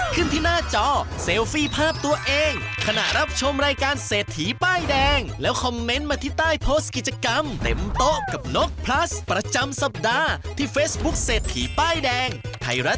กติกาเป็นอย่างไรไปฟังค่ะ